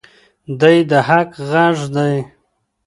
دی د حق غږ دی.